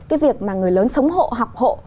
cái việc mà người lớn sống hộ học hộ